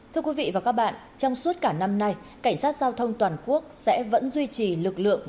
thưa quý vị và các bạn trong suốt cả năm nay cảnh sát giao thông toàn quốc sẽ vẫn duy trì lực lượng